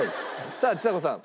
さあちさ子さん。